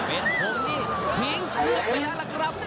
เป็นคนที่ทิ้งฉากไปแล้วล่ะนะคะ